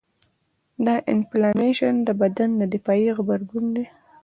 د انفلامیشن د بدن دفاعي غبرګون دی.